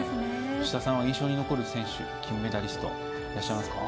吉田さんは印象に残る競技、金メダリストいらっしゃいますか。